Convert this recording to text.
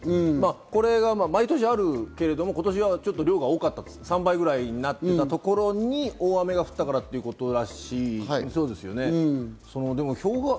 これが毎年あるけれども今年は量が多かった、３倍ぐらいになったところに大雨が降ったからということらしいですよね。